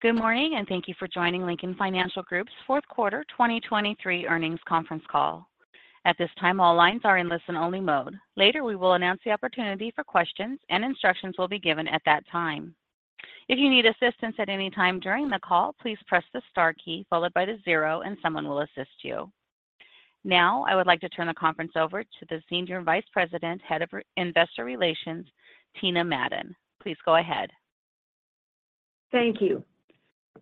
Good morning, and thank you for joining Lincoln Financial Group's Fourth Quarter 2023 Earnings Conference Call. At this time, all lines are in listen-only mode. Later, we will announce the opportunity for questions, and instructions will be given at that time. If you need assistance at any time during the call, please press the star key followed by the zero, and someone will assist you. Now, I would like to turn the conference over to the Senior Vice President, Head of Investor Relations, Tina Madon. Please go ahead. Thank you.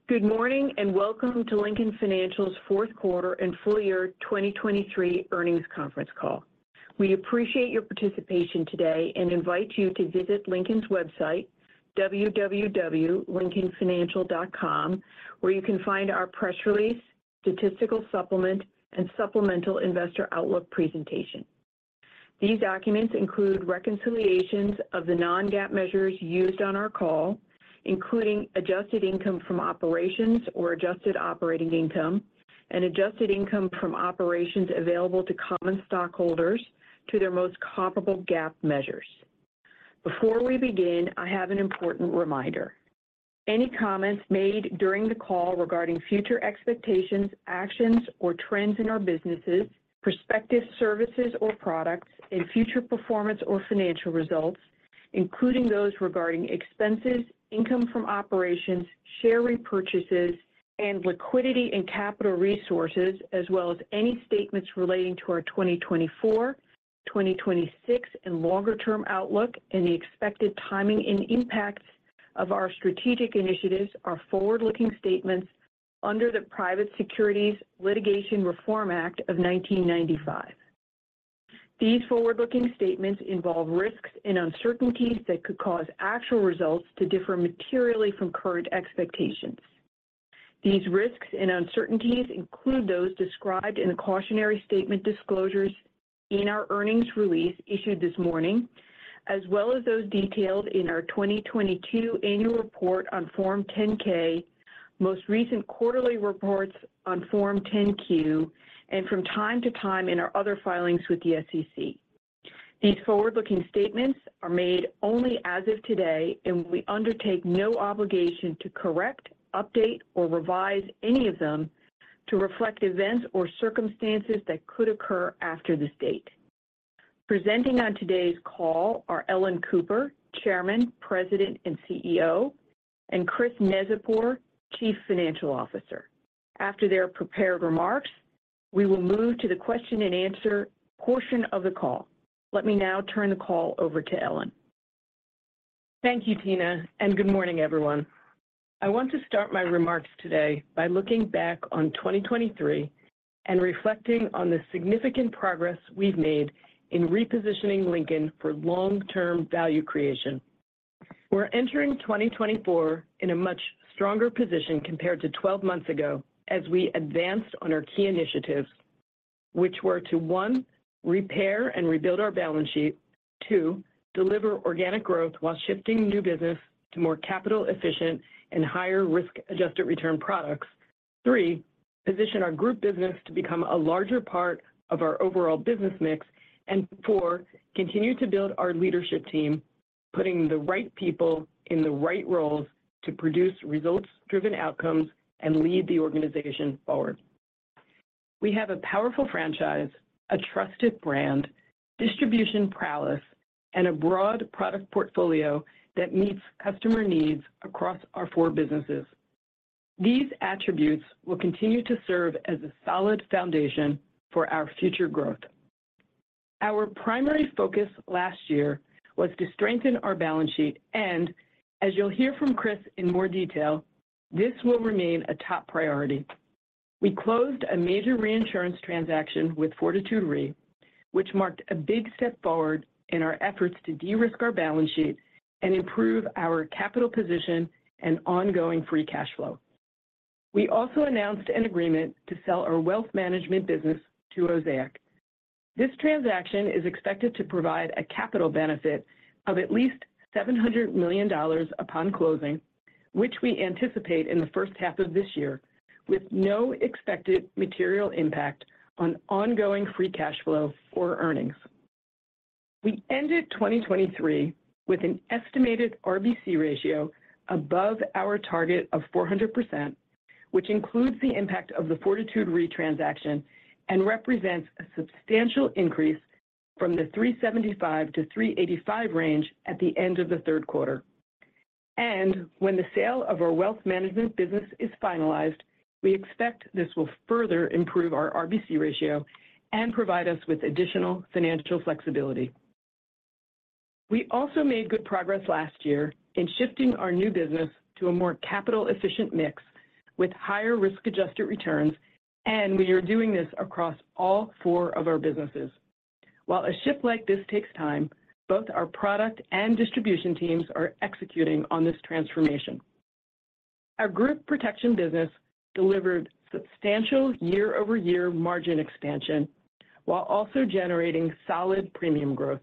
Good morning, and welcome to Lincoln Financial's fourth quarter and full year 2023 earnings conference call. We appreciate your participation today and invite you to visit Lincoln's website, www.lincolnfinancial.com, where you can find our press release, statistical supplement, and supplemental investor outlook presentation. These documents include reconciliations of the non-GAAP measures used on our call, including adjusted income from operations or adjusted operating income, and adjusted income from operations available to common stockholders to their most comparable GAAP measures. Before we begin, I have an important reminder. Any comments made during the call regarding future expectations, actions, or trends in our businesses, prospective services or products, and future performance or financial results, including those regarding expenses, income from operations, share repurchases, and liquidity and capital resources, as well as any statements relating to our 2024, 2026, and longer-term outlook, and the expected timing and impacts of our strategic initiatives are forward-looking statements under the Private Securities Litigation Reform Act of 1995. These forward-looking statements involve risks and uncertainties that could cause actual results to differ materially from current expectations. These risks and uncertainties include those described in the cautionary statement disclosures in our earnings release issued this morning, as well as those detailed in our 2022 annual report on Form 10-K, most recent quarterly reports on Form 10-Q, and from time to time in our other filings with the SEC. These forward-looking statements are made only as of today, and we undertake no obligation to correct, update, or revise any of them to reflect events or circumstances that could occur after this date. Presenting on today's call are Ellen Cooper, Chairman, President, and CEO, and Christopher Neczypor, Chief Financial Officer. After their prepared remarks, we will move to the question-and-answer portion of the call. Let me now turn the call over to Ellen. Thank you, Tina, and good morning, everyone. I want to start my remarks today by looking back on 2023 and reflecting on the significant progress we've made in repositioning Lincoln for long-term value creation. We're entering 2024 in a much stronger position compared to 12 months ago as we advanced on our key initiatives, which were to, one, repair and rebuild our balance sheet, two, deliver organic growth while shifting new business to more capital-efficient and higher risk-adjusted return products, three, position our group business to become a larger part of our overall business mix, and four, continue to build our leadership team, putting the right people in the right roles to produce results-driven outcomes and lead the organization forward. We have a powerful franchise, a trusted brand, distribution prowess, and a broad product portfolio that meets customer needs across our four businesses. These attributes will continue to serve as a solid foundation for our future growth. Our primary focus last year was to strengthen our balance sheet, and as you'll hear from Chris in more detail, this will remain a top priority. We closed a major reinsurance transaction with Fortitude Re, which marked a big step forward in our efforts to de-risk our balance sheet and improve our capital position and ongoing free cash flow. We also announced an agreement to sell our wealth management business to Osaic. This transaction is expected to provide a capital benefit of at least $700 million upon closing, which we anticipate in the first half of this year, with no expected material impact on ongoing free cash flow or earnings. We ended 2023 with an estimated RBC ratio above our target of 400%, which includes the impact of the Fortitude Re transaction and represents a substantial increase from the 375%-385% range at the end of the third quarter. When the sale of our wealth management business is finalized, we expect this will further improve our RBC ratio and provide us with additional financial flexibility. We also made good progress last year in shifting our new business to a more capital-efficient mix with higher risk-adjusted returns, and we are doing this across all four of our businesses. While a shift like this takes time, both our product and distribution teams are executing on this transformation. Our group protection business delivered substantial year-over-year margin expansion, while also generating solid premium growth.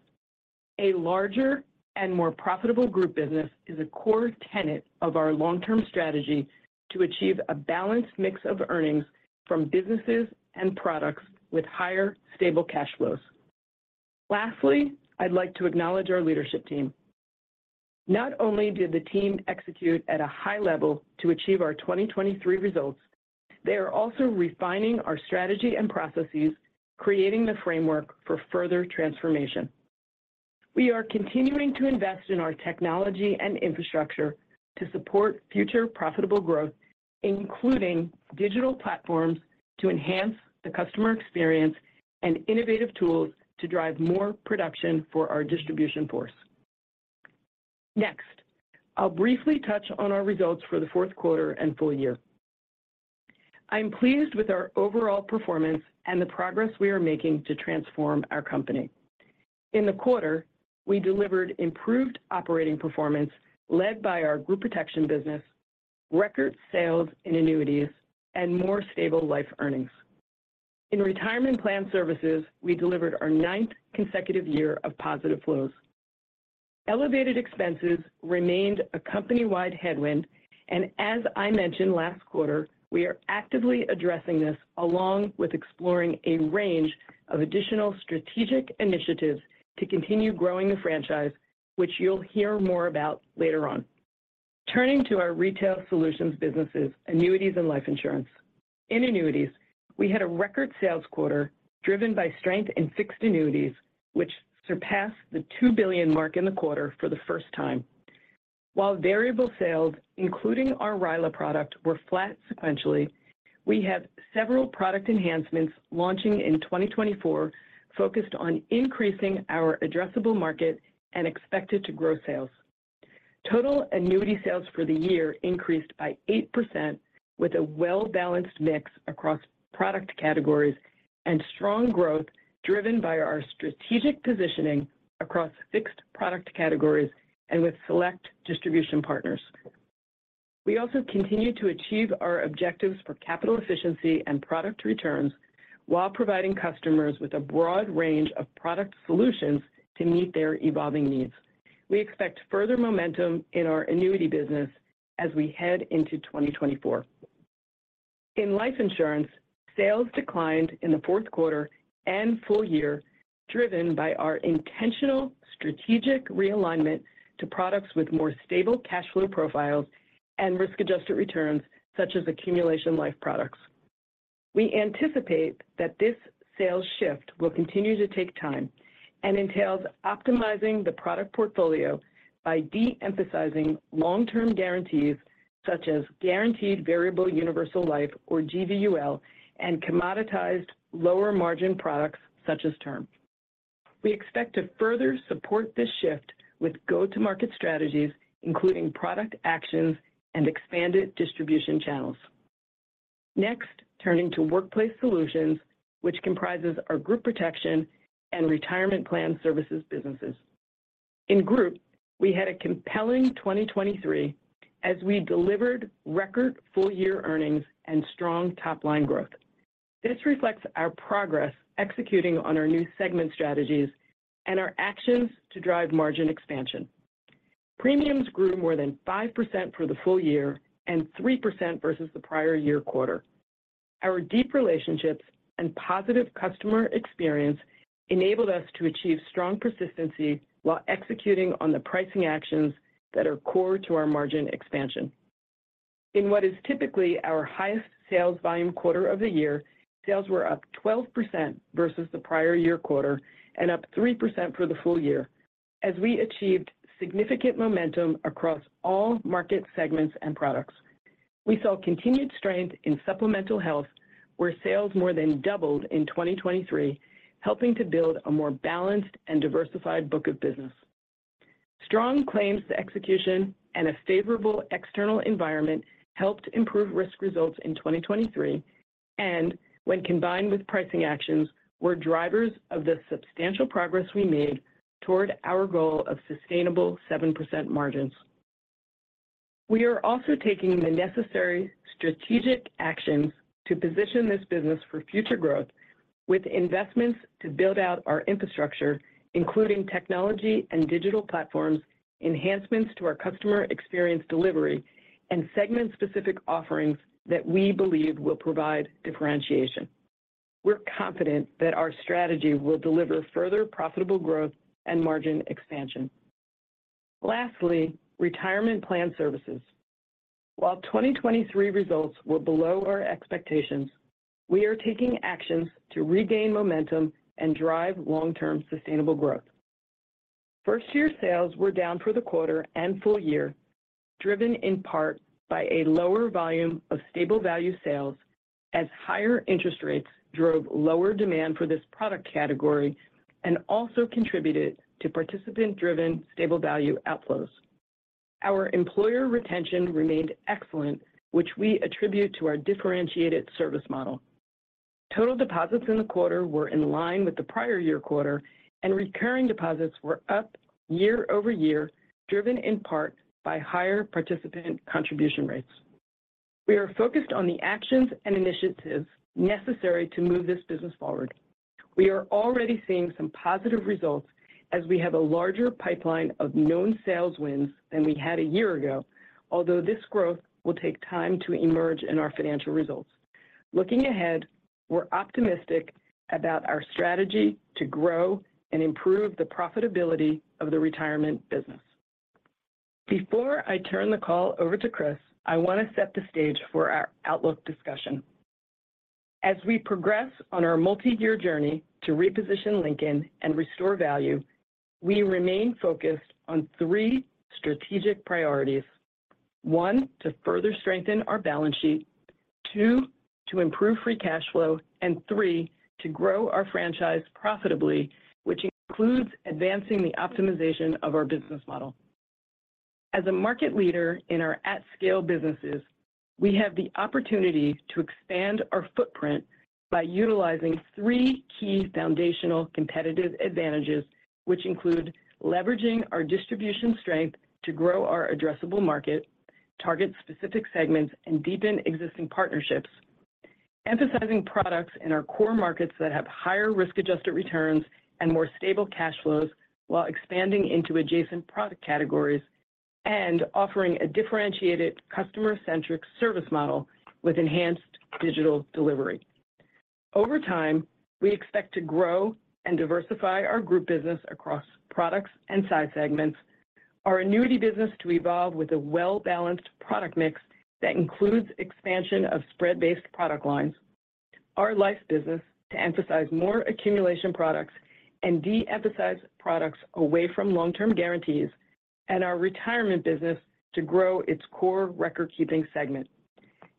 A larger and more profitable group business is a core tenet of our long-term strategy to achieve a balanced mix of earnings from businesses and products with higher, stable cash flows. Lastly, I'd like to acknowledge our leadership team. Not only did the team execute at a high level to achieve our 2023 results, they are also refining our strategy and processes, creating the framework for further transformation. We are continuing to invest in our technology and infrastructure to support future profitable growth, including digital platforms, to enhance the customer experience and innovative tools to drive more production for our distribution force. Next, I'll briefly touch on our results for the fourth quarter and full year. I'm pleased with our overall performance and the progress we are making to transform our company. In the quarter, we delivered improved operating performance, led by our Group Protection business, record sales and annuities, and more stable life earnings. In Retirement Plan Services, we delivered our ninth consecutive year of positive flows. Elevated expenses remained a company-wide headwind, and as I mentioned last quarter, we are actively addressing this along with exploring a range of additional strategic initiatives to continue growing the franchise, which you'll hear more about later on. Turning to our Retail Solutions businesses, Annuities and Life Insurance. In annuities, we had a record sales quarter, driven by strength in fixed annuities, which surpassed the $2 billion mark in the quarter for the first time. While variable sales, including our RILA product, were flat sequentially, we have several product enhancements launching in 2024, focused on increasing our addressable market and expected to grow sales. Total annuity sales for the year increased by 8%, with a well-balanced mix across product categories and strong growth driven by our strategic positioning across fixed product categories and with select distribution partners. We also continue to achieve our objectives for capital efficiency and product returns while providing customers with a broad range of product solutions to meet their evolving needs. We expect further momentum in our annuity business as we head into 2024. In life insurance, sales declined in the fourth quarter and full year, driven by our intentional strategic realignment to products with more stable cash flow profiles and risk-adjusted returns, such as accumulation life products. We anticipate that this sales shift will continue to take time and entails optimizing the product portfolio by de-emphasizing long-term guarantees, such as Guaranteed Variable Universal Life, or GVUL, and commoditized lower-margin products such as Term. We expect to further support this shift with go-to-market strategies, including product actions and expanded distribution channels. Next, turning to Workplace Solutions, which comprises our Group Protection and Retirement Plan Services businesses. In Group, we had a compelling 2023 as we delivered record full-year earnings and strong top-line growth. This reflects our progress executing on our new segment strategies and our actions to drive margin expansion. Premiums grew more than 5% for the full year and 3% versus the prior year quarter. Our deep relationships and positive customer experience enabled us to achieve strong persistency while executing on the pricing actions that are core to our margin expansion. In what is typically our highest sales volume quarter of the year, sales were up 12% versus the prior year quarter and up 3% for the full year, as we achieved significant momentum across all market segments and products. We saw continued strength in supplemental health, where sales more than doubled in 2023, helping to build a more balanced and diversified book of business. Strong claims execution and a favorable external environment helped improve risk results in 2023, and when combined with pricing actions, were drivers of the substantial progress we made toward our goal of sustainable 7% margins. We are also taking the necessary strategic actions to position this business for future growth with investments to build out our infrastructure, including technology and digital platforms, enhancements to our customer experience delivery, and segment-specific offerings that we believe will provide differentiation. We're confident that our strategy will deliver further profitable growth and margin expansion. Lastly, Retirement Plan Services. While 2023 results were below our expectations, we are taking actions to regain momentum and drive long-term sustainable growth. First-year sales were down for the quarter and full year, driven in part by a lower volume of stable value sales as higher interest rates drove lower demand for this product category and also contributed to participant-driven stable value outflows. Our employer retention remained excellent, which we attribute to our differentiated service model. Total deposits in the quarter were in line with the prior year quarter, and recurring deposits were up year-over-year, driven in part by higher participant contribution rates. We are focused on the actions and initiatives necessary to move this business forward. We are already seeing some positive results as we have a larger pipeline of known sales wins than we had a year ago, although this growth will take time to emerge in our financial results. Looking ahead, we're optimistic about our strategy to grow and improve the profitability of the retirement business. Before I turn the call over to Chris, I want to set the stage for our outlook discussion. As we progress on our multi-year journey to reposition Lincoln and restore value, we remain focused on three strategic priorities: one, to further strengthen our balance sheet, two, to improve free cash flow, and three, to grow our franchise profitably, which includes advancing the optimization of our business model. As a market leader in our at-scale businesses, we have the opportunity to expand our footprint by utilizing three key foundational competitive advantages, which include leveraging our distribution strength to grow our addressable market, target specific segments, and deepen existing partnerships, emphasizing products in our core markets that have higher risk-adjusted returns and more stable cash flows, while expanding into adjacent product categories and offering a differentiated customer-centric service model with enhanced digital delivery. Over time, we expect to grow and diversify our group business across products and size segments, our annuity business to evolve with a well-balanced product mix that includes expansion of spread-based product lines, our life business to emphasize more accumulation products and de-emphasize products away from long-term guarantees, and our retirement business to grow its core record-keeping segment.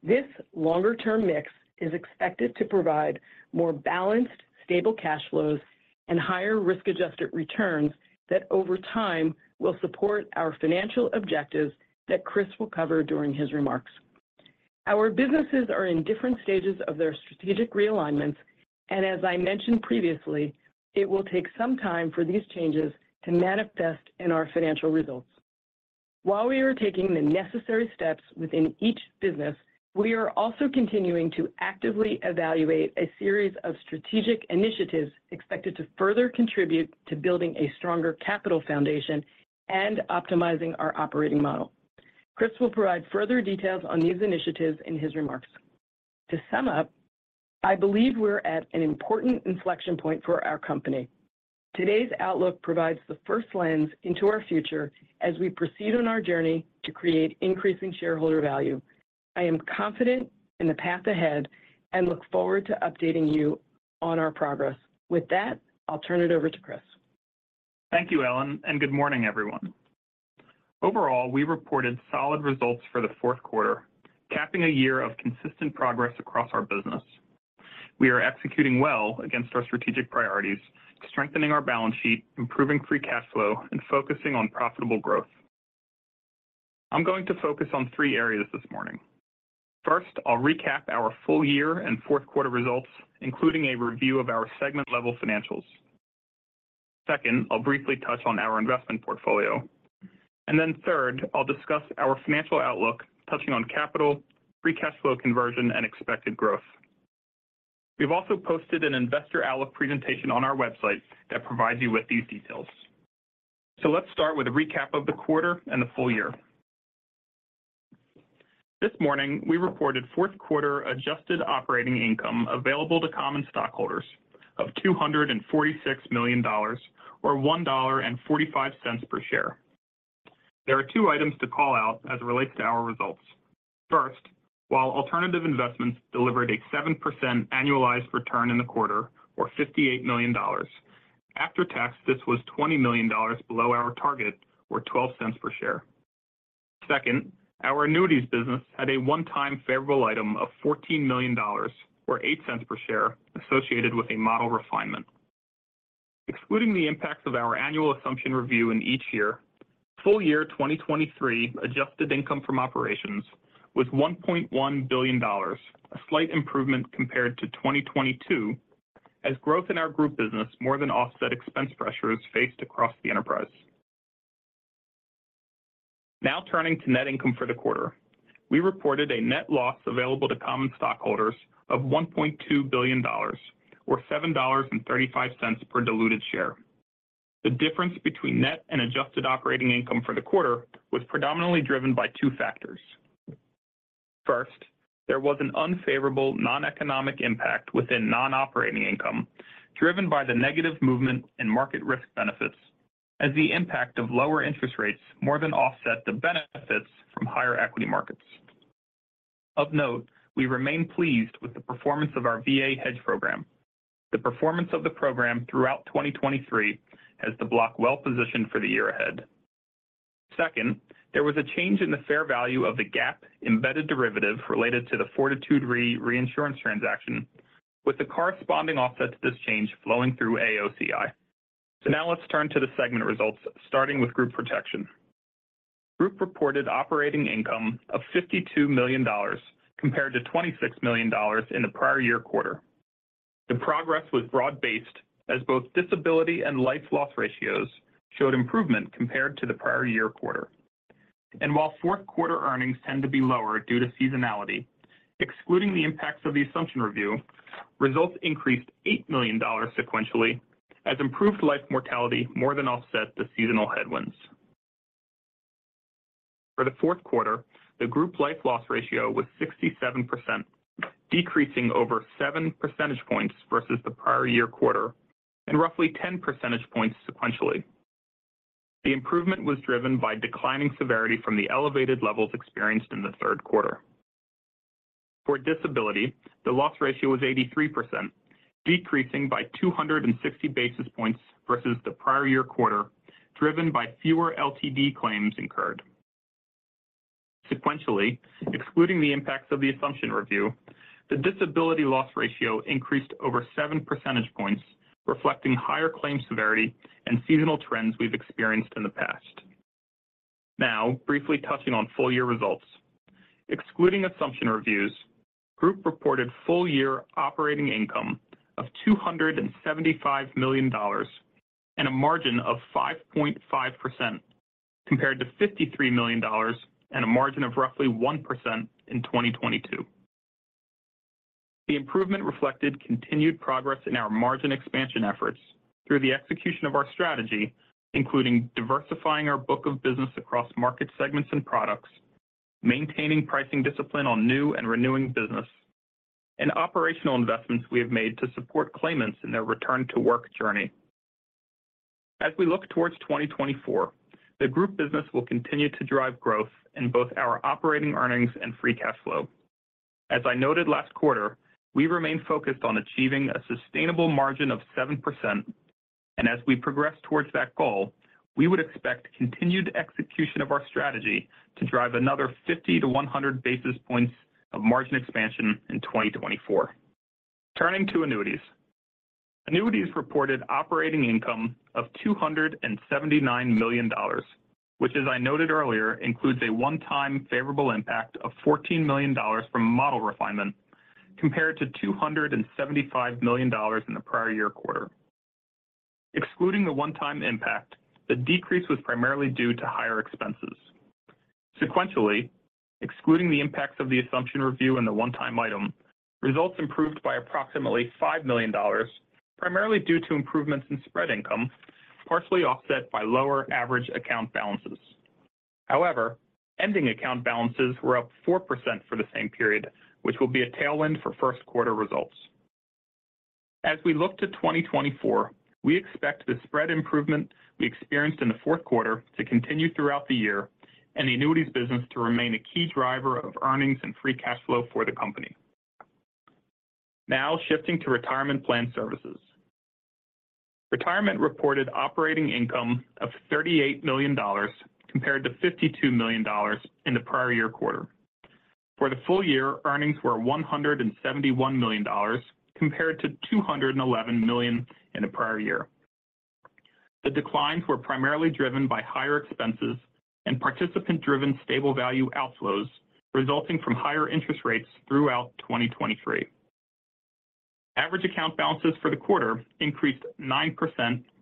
This longer-term mix is expected to provide more balanced, stable cash flows and higher risk-adjusted returns that over time will support our financial objectives that Chris will cover during his remarks. Our businesses are in different stages of their strategic realignments, and as I mentioned previously, it will take some time for these changes to manifest in our financial results. While we are taking the necessary steps within each business, we are also continuing to actively evaluate a series of strategic initiatives expected to further contribute to building a stronger capital foundation and optimizing our operating model. Chris will provide further details on these initiatives in his remarks. To sum up, I believe we're at an important inflection point for our company. Today's outlook provides the first lens into our future as we proceed on our journey to create increasing shareholder value. I am confident in the path ahead and look forward to updating you on our progress. With that, I'll turn it over to Chris. Thank you, Ellen, and good morning, everyone. Overall, we reported solid results for the fourth quarter, capping a year of consistent progress across our business. We are executing well against our strategic priorities, strengthening our balance sheet, improving free cash flow, and focusing on profitable growth. I'm going to focus on three areas this morning. First, I'll recap our full year and fourth quarter results, including a review of our segment-level financials. Second, I'll briefly touch on our investment portfolio. Then third, I'll discuss our financial outlook, touching on capital, free cash flow conversion, and expected growth. We've also posted an investor outlook presentation on our website that provides you with these details. So let's start with a recap of the quarter and the full year. This morning, we reported fourth quarter adjusted operating income available to common stockholders of $246 million, or $1.45 per share. There are two items to call out as it relates to our results. First, while alternative investments delivered a 7% annualized return in the quarter, or $58 million, after tax, this was $20 million below our target, or $0.12 per share. Second, our annuities business had a one-time favorable item of $14 million, or $0.08 per share, associated with a model refinement. Excluding the impacts of our annual assumption review in each year, full year 2023 adjusted income from operations was $1.1 billion, a slight improvement compared to 2022, as growth in our group business more than offset expense pressures faced across the enterprise. Now turning to net income for the quarter. We reported a net loss available to common stockholders of $1.2 billion, or $7.35 per diluted share. The difference between net and adjusted operating income for the quarter was predominantly driven by two factors. First, there was an unfavorable noneconomic impact within non-operating income, driven by the negative movement in market risk benefits as the impact of lower interest rates more than offset the benefits from higher equity markets. Of note, we remain pleased with the performance of our VA Hedge Program. The performance of the program throughout 2023 has the block well positioned for the year ahead. Second, there was a change in the fair value of the GAAP embedded derivative related to the Fortitude Re reinsurance transaction, with the corresponding offset to this change flowing through AOCI. So now let's turn to the segment results, starting with Group Protection. Group reported operating income of $52 million compared to $26 million in the prior year quarter. The progress was broad-based as both disability and life loss ratios showed improvement compared to the prior year quarter. And while fourth quarter earnings tend to be lower due to seasonality, excluding the impacts of the assumption review, results increased $8 million sequentially, as improved life mortality more than offset the seasonal headwinds. For the fourth quarter, the Group Life loss ratio was 67%, decreasing over 7 percentage points versus the prior year quarter and roughly 10 percentage points sequentially. The improvement was driven by declining severity from the elevated levels experienced in the third quarter. For disability, the loss ratio was 83%, decreasing by 260 basis points versus the prior year quarter, driven by fewer LTD claims incurred. Sequentially, excluding the impacts of the assumption review, the disability loss ratio increased over 7 percentage points, reflecting higher claim severity and seasonal trends we've experienced in the past. Now, briefly touching on full year results. Excluding assumption reviews, Group reported full year operating income of $275 million and a margin of 5.5%, compared to $53 million and a margin of roughly 1% in 2022. The improvement reflected continued progress in our margin expansion efforts through the execution of our strategy, including diversifying our book of business across market segments and products, maintaining pricing discipline on new and renewing business, and operational investments we have made to support claimants in their return to work journey. As we look towards 2024, the Group business will continue to drive growth in both our operating earnings and free cash flow. As I noted last quarter, we remain focused on achieving a sustainable margin of 7%, and as we progress towards that goal, we would expect continued execution of our strategy to drive another 50-100 basis points of margin expansion in 2024. Turning to annuities. Annuities reported operating income of $279 million, which, as I noted earlier, includes a one-time favorable impact of $14 million from a model refinement compared to $275 million in the prior year quarter. Excluding the one-time impact, the decrease was primarily due to higher expenses. Sequentially, excluding the impacts of the assumption review and the one-time item, results improved by approximately $5 million, primarily due to improvements in spread income, partially offset by lower average account balances. However, ending account balances were up 4% for the same period, which will be a tailwind for first quarter results. As we look to 2024, we expect the spread improvement we experienced in the fourth quarter to continue throughout the year and the annuities business to remain a key driver of earnings and free cash flow for the company. Now shifting to retirement plan services. Retirement reported operating income of $38 million, compared to $52 million in the prior year quarter. For the full year, earnings were $171 million, compared to $211 million in the prior year. The declines were primarily driven by higher expenses and participant-driven stable value outflows, resulting from higher interest rates throughout 2023. Average account balances for the quarter increased 9%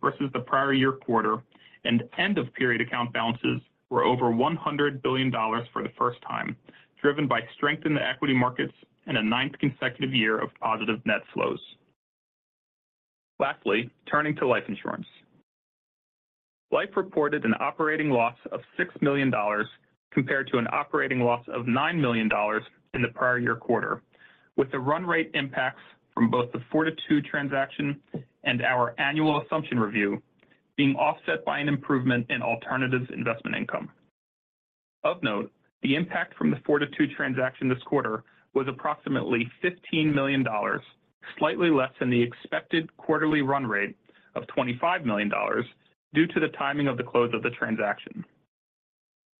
versus the prior year quarter, and end-of-period account balances were over $100 billion for the first time, driven by strength in the equity markets and a ninth consecutive year of positive net flows. Lastly, turning to life insurance. Life reported an operating loss of $6 million compared to an operating loss of $9 million in the prior year quarter, with the run rate impacts from both the Fortitude Re transaction and our annual assumption review being offset by an improvement in alternative investment income. Of note, the impact from the Fortitude Re transaction this quarter was approximately $15 million, slightly less than the expected quarterly run rate of $25 million, due to the timing of the close of the transaction.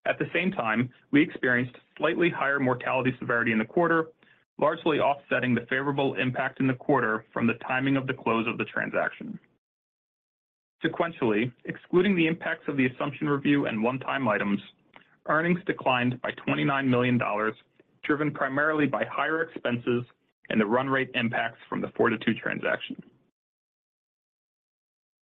At the same time, we experienced slightly higher mortality severity in the quarter, largely offsetting the favorable impact in the quarter from the timing of the close of the transaction. Sequentially, excluding the impacts of the assumption review and one-time items, earnings declined by $29 million, driven primarily by higher expenses and the run rate impacts from the Fortitude transaction.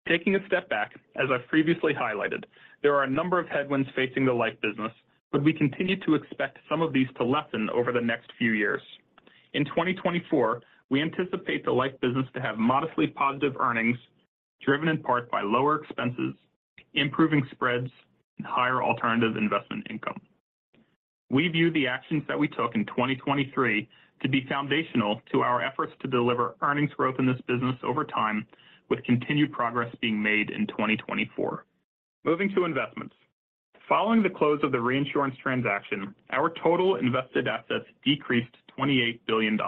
Taking a step back, as I've previously highlighted, there are a number of headwinds facing the life business, but we continue to expect some of these to lessen over the next few years. In 2024, we anticipate the life business to have modestly positive earnings, driven in part by lower expenses, improving spreads, and higher alternative investment income. We view the actions that we took in 2023 to be foundational to our efforts to deliver earnings growth in this business over time, with continued progress being made in 2024. Moving to investments. Following the close of the reinsurance transaction, our total invested assets decreased $28 billion.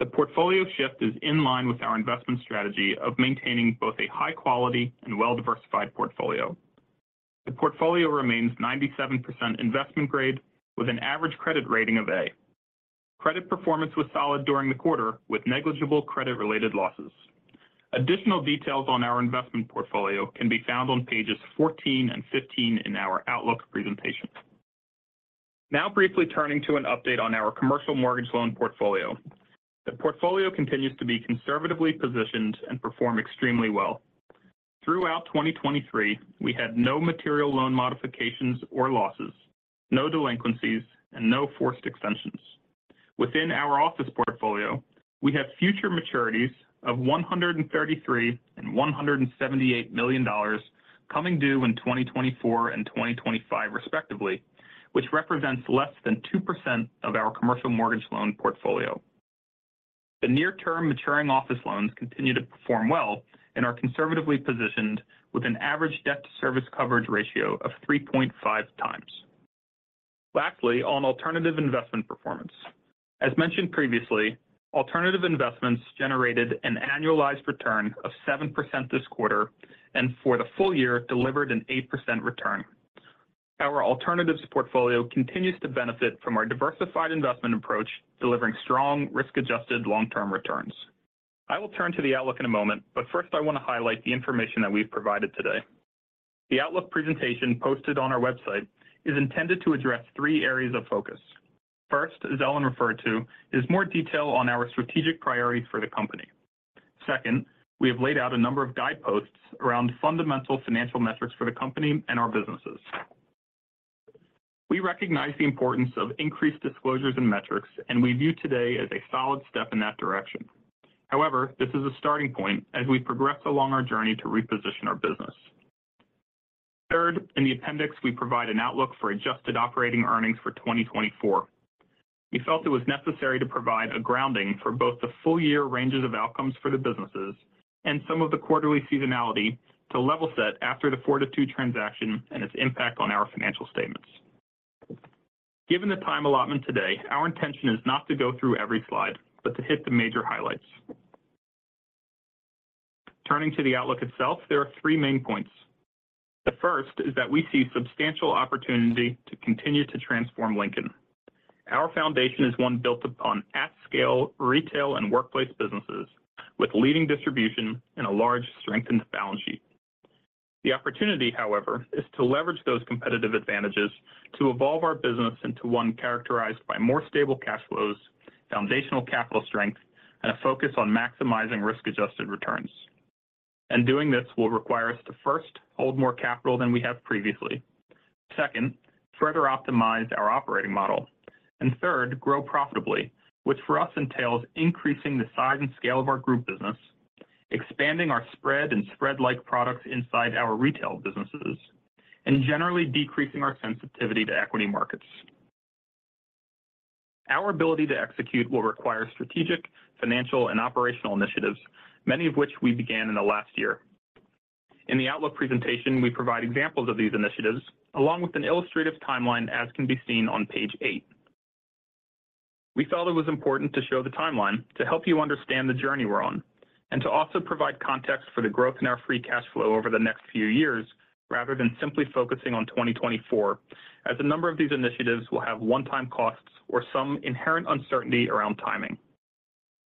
The portfolio shift is in line with our investment strategy of maintaining both a high quality and well-diversified portfolio. The portfolio remains 97% investment grade, with an average credit rating of A. Credit performance was solid during the quarter, with negligible credit-related losses. Additional details on our investment portfolio can be found on pages 14 and 15 in our Outlook presentation. Now, briefly turning to an update on our commercial mortgage loan portfolio. The portfolio continues to be conservatively positioned and perform extremely well. Throughout 2023, we had no material loan modifications or losses, no delinquencies, and no forced extensions. Within our office portfolio, we have future maturities of $133 million and $178 million coming due in 2024 and 2025, respectively, which represents less than 2% of our commercial mortgage loan portfolio. The near-term maturing office loans continue to perform well and are conservatively positioned with an average debt-to-service coverage ratio of 3.5x. Lastly, on alternative investment performance. As mentioned previously, alternative investments generated an annualized return of 7% this quarter, and for the full year, delivered an 8% return. Our alternatives portfolio continues to benefit from our diversified investment approach, delivering strong risk-adjusted long-term returns. I will turn to the outlook in a moment, but first, I want to highlight the information that we've provided today. The outlook presentation posted on our website is intended to address three areas of focus. First, as Ellen referred to, is more detail on our strategic priorities for the company. Second, we have laid out a number of guideposts around fundamental financial metrics for the company and our businesses. We recognize the importance of increased disclosures and metrics, and we view today as a solid step in that direction. However, this is a starting point as we progress along our journey to reposition our business. Third, in the appendix, we provide an outlook for adjusted operating earnings for 2024. We felt it was necessary to provide a grounding for both the full-year ranges of outcomes for the businesses and some of the quarterly seasonality to level set after the Fortitude transaction and its impact on our financial statements. Given the time allotment today, our intention is not to go through every slide, but to hit the major highlights. Turning to the outlook itself, there are three main points. The first is that we see substantial opportunity to continue to transform Lincoln. Our foundation is one built upon at-scale retail and workplace businesses with leading distribution and a large strengthened balance sheet. The opportunity, however, is to leverage those competitive advantages to evolve our business into one characterized by more stable cash flows, foundational capital strength, and a focus on maximizing risk-adjusted returns. And doing this will require us to, first, hold more capital than we have previously. Second, further optimize our operating model. And third, grow profitably, which for us entails increasing the size and scale of our group business, expanding our spread and spread-like products inside our retail businesses, and generally decreasing our sensitivity to equity markets. Our ability to execute will require strategic, financial, and operational initiatives, many of which we began in the last year. In the outlook presentation, we provide examples of these initiatives, along with an illustrative timeline, as can be seen on page eight. We felt it was important to show the timeline to help you understand the journey we're on and to also provide context for the growth in our free cash flow over the next few years, rather than simply focusing on 2024, as a number of these initiatives will have one-time costs or some inherent uncertainty around timing.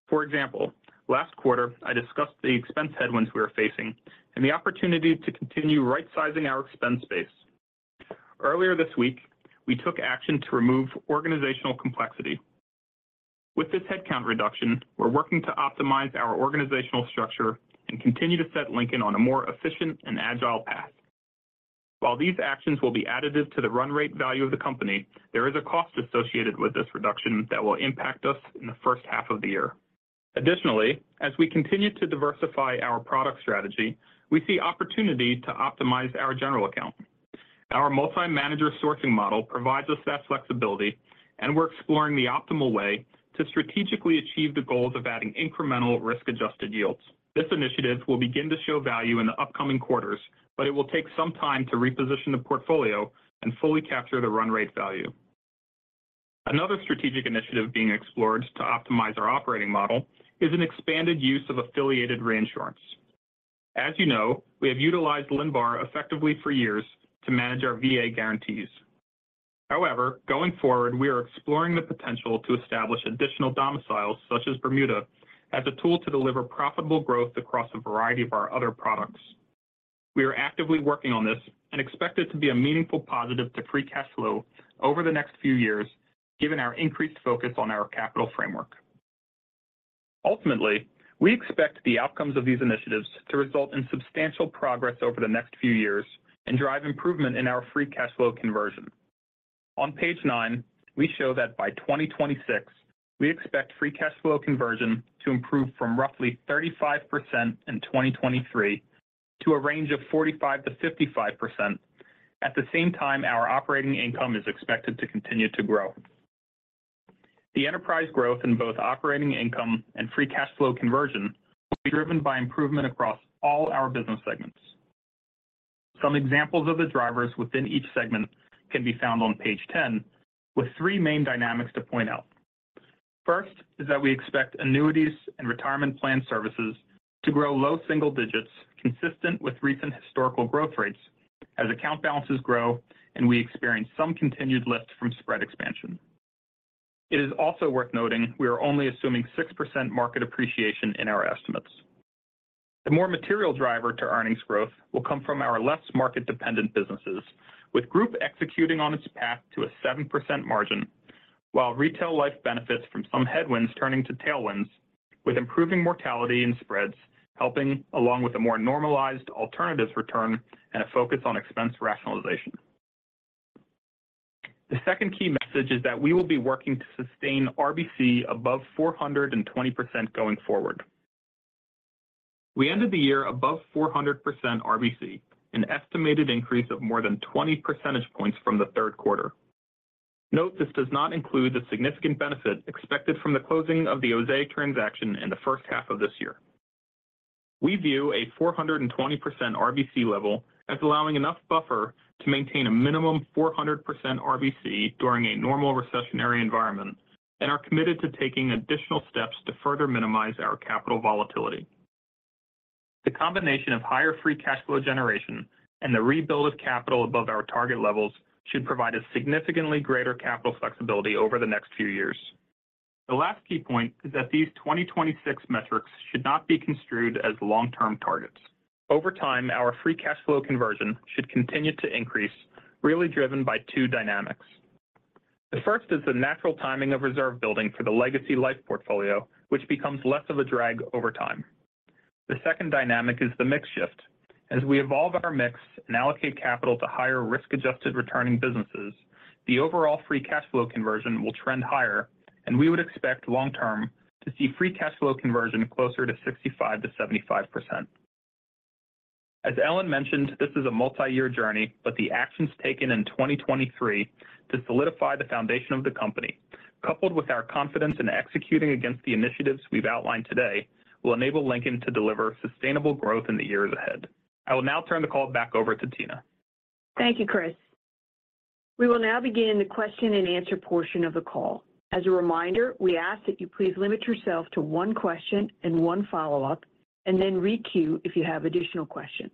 For example, last quarter, I discussed the expense headwinds we were facing and the opportunity to continue rightsizing our expense base. Earlier this week, we took action to remove organizational complexity. With this headcount reduction, we're working to optimize our organizational structure and continue to set Lincoln on a more efficient and agile path. While these actions will be additive to the run-rate value of the company, there is a cost associated with this reduction that will impact us in the first half of the year. Additionally, as we continue to diversify our product strategy, we see opportunity to optimize our general account. Our multi-manager sourcing model provides us that flexibility, and we're exploring the optimal way to strategically achieve the goals of adding incremental risk-adjusted yields. This initiative will begin to show value in the upcoming quarters, but it will take some time to reposition the portfolio and fully capture the run rate value. Another strategic initiative being explored to optimize our operating model is an expanded use of affiliated reinsurance. As you know, we have utilized LNBAR effectively for years to manage our VA guarantees. However, going forward, we are exploring the potential to establish additional domiciles, such as Bermuda, as a tool to deliver profitable growth across a variety of our other products. We are actively working on this and expect it to be a meaningful positive to free cash flow over the next few years, given our increased focus on our capital framework. Ultimately, we expect the outcomes of these initiatives to result in substantial progress over the next few years and drive improvement in our free cash flow conversion. On page nine, we show that by 2026, we expect free cash flow conversion to improve from roughly 35% in 2023 to a range of 45%-55%. At the same time, our operating income is expected to continue to grow. The enterprise growth in both operating income and free cash flow conversion will be driven by improvement across all our business segments. Some examples of the drivers within each segment can be found on page 10, with three main dynamics to point out. First is that we expect annuities and retirement plan services to grow low single digits, consistent with recent historical growth rates, as account balances grow and we experience some continued lift from spread expansion. It is also worth noting we are only assuming 6% market appreciation in our estimates. The more material driver to earnings growth will come from our less market-dependent businesses, with group executing on its path to a 7% margin, while retail life benefits from some headwinds turning to tailwinds, with improving mortality and spreads, helping along with a more normalized alternatives return and a focus on expense rationalization. The second key message is that we will be working to sustain RBC above 420% going forward. We ended the year above 400% RBC, an estimated increase of more than 20 percentage points from the third quarter. Note, this does not include the significant benefit expected from the closing of the Osaic transaction in the first half of this year. We view a 420% RBC level as allowing enough buffer to maintain a minimum 400% RBC during a normal recessionary environment, and are committed to taking additional steps to further minimize our capital volatility. The combination of higher free cash flow generation and the rebuild of capital above our target levels should provide a significantly greater capital flexibility over the next few years. The last key point is that these 2026 metrics should not be construed as long-term targets. Over time, our free cash flow conversion should continue to increase, really driven by two dynamics. The first is the natural timing of reserve building for the legacy life portfolio, which becomes less of a drag over time. The second dynamic is the mix shift. As we evolve our mix and allocate capital to higher risk-adjusted returning businesses, the overall free cash flow conversion will trend higher, and we would expect long term to see free cash flow conversion closer to 65%-75%. As Ellen mentioned, this is a multi-year journey, but the actions taken in 2023 to solidify the foundation of the company, coupled with our confidence in executing against the initiatives we've outlined today, will enable Lincoln to deliver sustainable growth in the years ahead. I will now turn the call back over to Tina. Thank you, Chris. We will now begin the question and answer portion of the call. As a reminder, we ask that you please limit yourself to one question and one follow-up, and then re-queue if you have additional questions.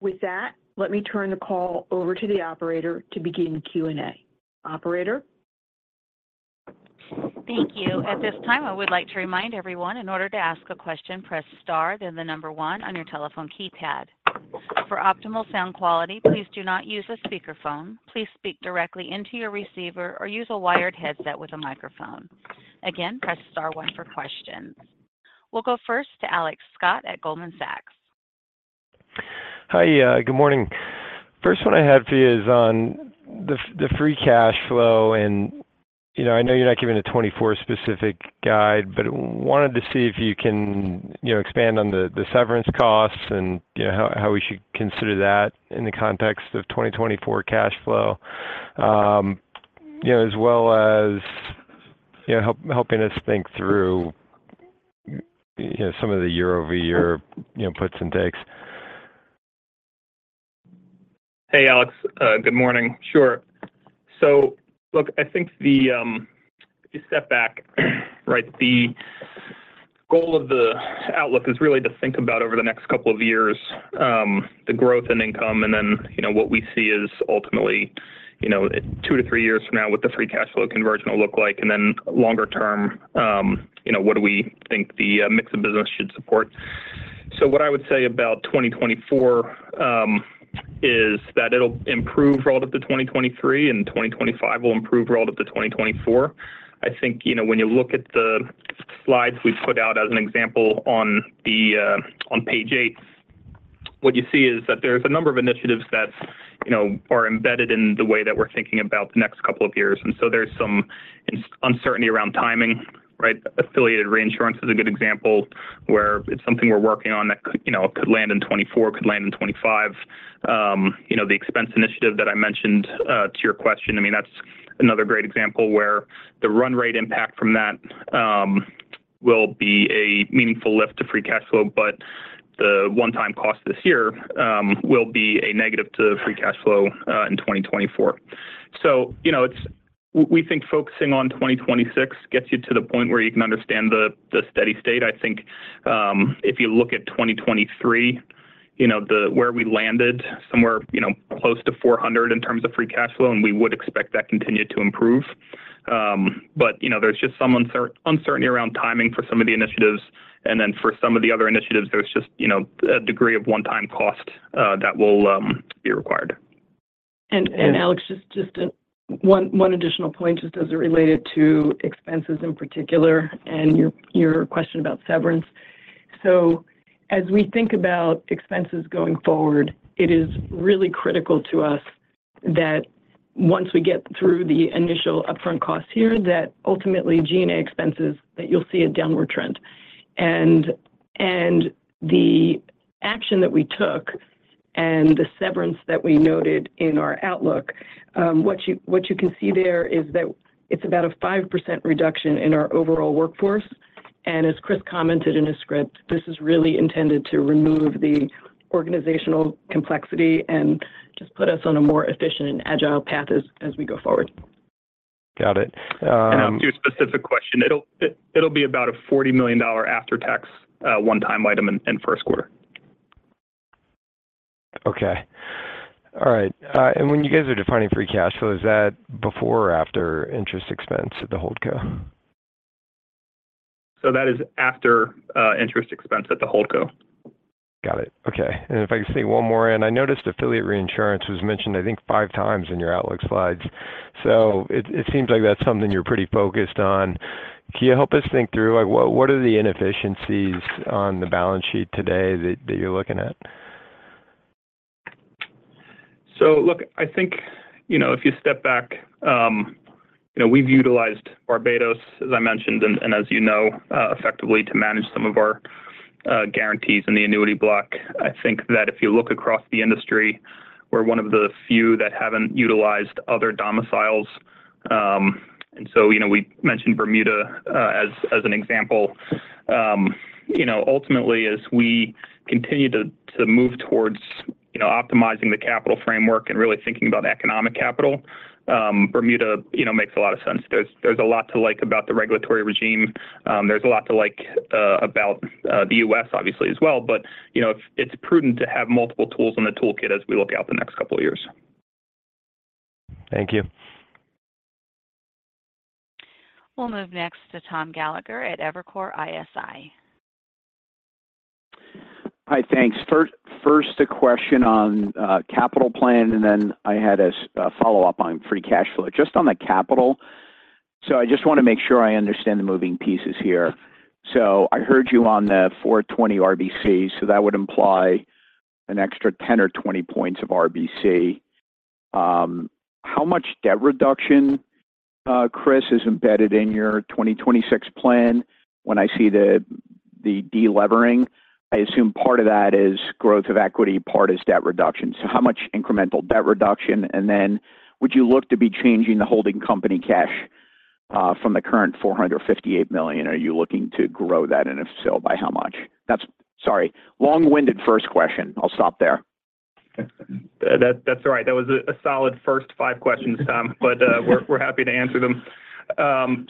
With that, let me turn the call over to the operator to begin the Q&A. Operator? Thank you. At this time, I would like to remind everyone, in order to ask a question, press Star, then 1 on your telephone keypad. For optimal sound quality, please do not use a speakerphone. Please speak directly into your receiver or use a wired headset with a microphone. Again, press star one for questions. We'll go first to Alex Scott at Goldman Sachs. Hi, good morning. First one I have for you is on the free cash flow, and, you know, I know you're not giving a 2024 specific guide, but wanted to see if you can, you know, expand on the severance costs and, you know, how we should consider that in the context of 2024 cash flow. You know, as well as helping us think through, you know, some of the year-over-year puts and takes. Hey, Alex, good morning. Sure. So look, I think if you step back, right, the goal of the outlook is really to think about over the next couple of years, the growth in income, and then, you know, what we see is ultimately, you know, two to three years from now, what the free cash flow conversion will look like, and then longer term, you know, what do we think the mix of business should support? So what I would say about 2024 is that it'll improve relative to 2023, and 2025 will improve relative to 2024. I think, you know, when you look at the slides we've put out as an example on page eight, what you see is that there's a number of initiatives that, you know, are embedded in the way that we're thinking about the next couple of years, and so there's some uncertainty around timing, right? Affiliated reinsurance is a good example where it's something we're working on that could, you know, could land in 2024, could land in 2025. You know, the expense initiative that I mentioned to your question, I mean, that's another great example where the run rate impact from that will be a meaningful lift to free cash flow, but the one-time cost this year will be a negative to free cash flow in 2024. So, you know, it's. We think focusing on 2026 gets you to the point where you can understand the steady state. I think, if you look at 2023, you know, where we landed, somewhere, you know, close to $400 in terms of free cash flow, and we would expect that continue to improve. But, you know, there's just some uncertainty around timing for some of the initiatives, and then for some of the other initiatives, there's just, you know, a degree of one-time cost that will be required. Alex, just one additional point, just as it related to expenses in particular and your question about severance. As we think about expenses going forward, it is really critical to us that once we get through the initial upfront costs here, that ultimately G&A expenses, that you'll see a downward trend. And the action that we took and the severance that we noted in our outlook, what you can see there is that it's about a 5% reduction in our overall workforce. And as Chris commented in his script, this is really intended to remove the organizational complexity and just put us on a more efficient and agile path as we go forward. Got it. To your specific question, it'll be about a $40 million after-tax one-time item in first quarter. Okay. All right, when you guys are defining free cash flow, is that before or after interest expense at the hold co? That is after interest expense at the holdco. Got it. Okay, and if I could see one more in, I noticed affiliate reinsurance was mentioned, I think, five times in your outlook slides. So it seems like that's something you're pretty focused on. Can you help us think through, like, what are the inefficiencies on the balance sheet today that you're looking at? So look, I think, you know, if you step back, you know, we've utilized Barbados, as I mentioned, and, and as you know, effectively to manage some of our, guarantees in the annuity block. I think that if you look across the industry, we're one of the few that haven't utilized other domiciles. And so, you know, we mentioned Bermuda, as an example. You know, ultimately, as we continue to, to move towards, you know, optimizing the capital framework and really thinking about economic capital, Bermuda, you know, makes a lot of sense. There's, there's a lot to like about the regulatory regime. There's a lot to like, about the U.S. obviously as well. But, you know, it's, it's prudent to have multiple tools in the toolkit as we look out the next couple of years. Thank you. We'll move next to Tom Gallagher at Evercore ISI. Hi, thanks. First, a question on capital plan, and then I had a follow-up on free cash flow. Just on the capital, so I just want to make sure I understand the moving pieces here. So I heard you on the 420 RBC, so that would imply an extra 10 or 20 points of RBC. How much debt reduction, Chris, is embedded in your 2026 plan? When I see the delevering, I assume part of that is growth of equity, part is debt reduction. So how much incremental debt reduction? And then would you look to be changing the holding company cash from the current $458 million? Are you looking to grow that, and if so, by how much? That's sorry, long-winded first question. I'll stop there. That's all right. That was a solid first five questions, Tom, but we're happy to answer them.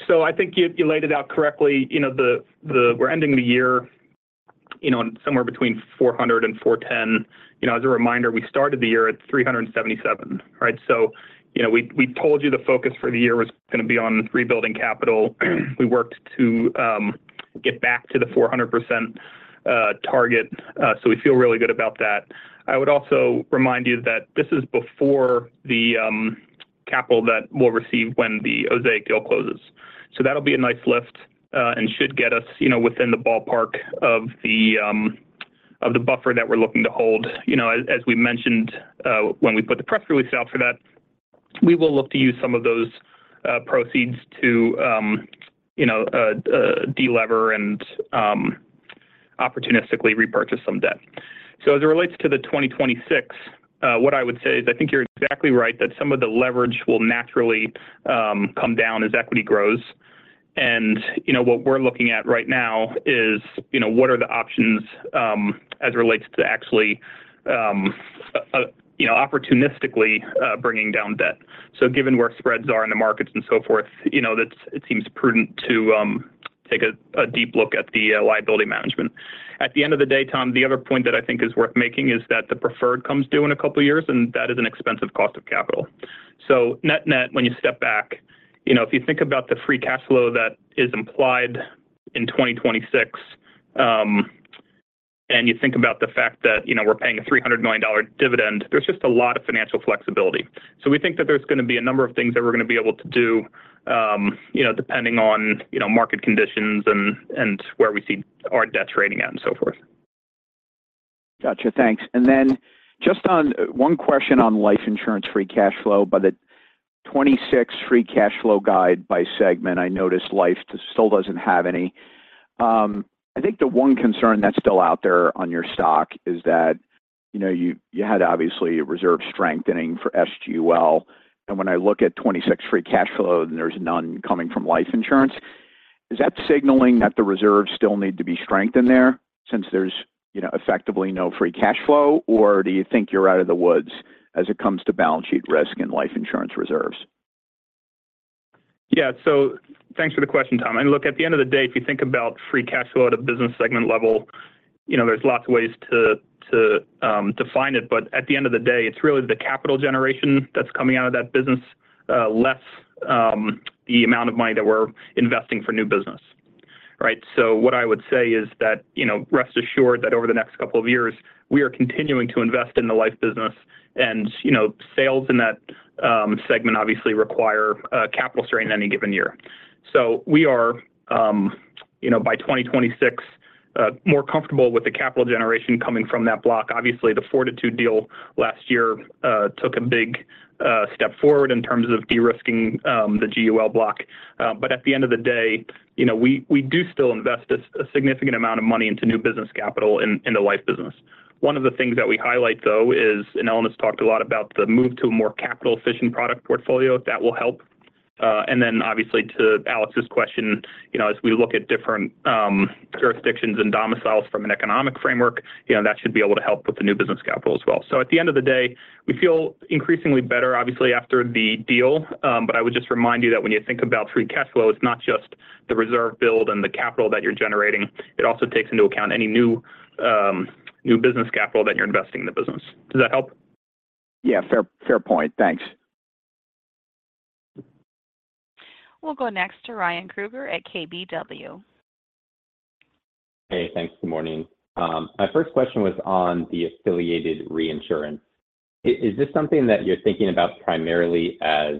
So I think you laid it out correctly. You know, we're ending the year, you know, somewhere between 400% and 410%. You know, as a reminder, we started the year at 377%, right? So, you know, we told you the focus for the year was gonna be on rebuilding capital. We worked to get back to the 400% target, so we feel really good about that. I would also remind you that this is before the capital that we'll receive when the Osaic deal closes. So that'll be a nice lift, and should get us, you know, within the ballpark of the buffer that we're looking to hold. You know, as we mentioned, when we put the press release out for that, we will look to use some of those proceeds to, you know, de-lever and opportunistically repurchase some debt. So as it relates to the 2026, what I would say is, I think you're exactly right, that some of the leverage will naturally come down as equity grows. And, you know, what we're looking at right now is, you know, what are the options, as it relates to actually, you know, opportunistically bringing down debt? So given where spreads are in the markets and so forth, you know, that's it seems prudent to take a deep look at the liability management. At the end of the day, Tom, the other point that I think is worth making is that the preferred comes due in a couple of years, and that is an expensive cost of capital. So net-net, when you step back, you know, if you think about the free cash flow that is implied in 2026, and you think about the fact that, you know, we're paying a $300 million dividend, there's just a lot of financial flexibility. So we think that there's gonna be a number of things that we're gonna be able to do, you know, depending on, you know, market conditions and, and where we see our debt trading at and so forth. Gotcha, thanks. Then just on one question on life insurance free cash flow. By the 2026 free cash flow guide by segment, I noticed life still doesn't have any. I think the one concern that's still out there on your stock is that, you know, you had obviously a reserve strengthening for SGUL, and when I look at 2026 free cash flow, there's none coming from life insurance. Is that signaling that the reserves still need to be strengthened there since there's, you know, effectively no free cash flow? Or do you think you're out of the woods as it comes to balance sheet risk and life insurance reserves? Yeah. So thanks for the question, Tom. I mean, look, at the end of the day, if you think about free cash flow at a business segment level, you know, there's lots of ways to define it. But at the end of the day, it's really the capital generation that's coming out of that business, less the amount of money that we're investing for new business, right? So what I would say is that, you know, rest assured that over the next couple of years, we are continuing to invest in the life business. And, you know, sales in that segment obviously require capital strain in any given year. So we are, you know, by 2026, more comfortable with the capital generation coming from that block. Obviously, the Fortitude deal last year took a big step forward in terms of de-risking the GUL block. But at the end of the day, you know, we do still invest a significant amount of money into new business capital in the life business. One of the things that we highlight, though, is, and Alan has talked a lot about the move to a more capital-efficient product portfolio that will help. And then obviously, to Alex's question, you know, as we look at different jurisdictions and domiciles from an economic framework, you know, that should be able to help with the new business capital as well. So at the end of the day, we feel increasingly better, obviously, after the deal. But I would just remind you that when you think about free cash flow, it's not just the reserve build and the capital that you're generating. It also takes into account any new business capital that you're investing in the business. Does that help? Yeah, fair, fair point. Thanks. We'll go next to Ryan Krueger at KBW. Hey, thanks. Good morning. My first question was on the affiliated reinsurance. Is this something that you're thinking about primarily as